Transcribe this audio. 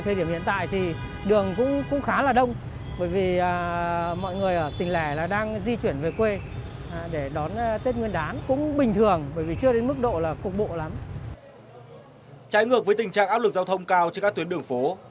trái ngược với tình trạng áp lực giao thông cao trên các tuyến đường phố